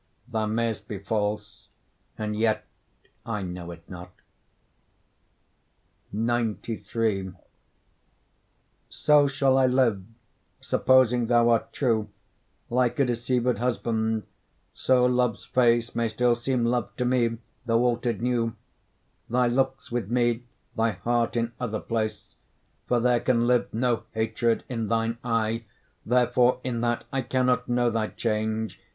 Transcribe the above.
Thou mayst be false, and yet I know it not. XCIII So shall I live, supposing thou art true, Like a deceived husband; so love's face May still seem love to me, though alter'd new; Thy looks with me, thy heart in other place: For there can live no hatred in thine eye, Therefore in that I cannot know thy change.